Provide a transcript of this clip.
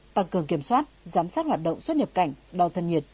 tăng cường kiểm soát giám sát hoạt động xuất nhập cảnh đo thân nhiệt